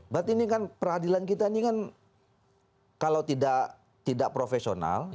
berarti ini kan peradilan kita ini kan kalau tidak profesional